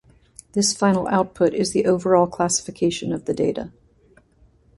This final output is the overall classification of the data.